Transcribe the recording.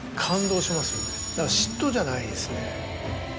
だから嫉妬じゃないですね。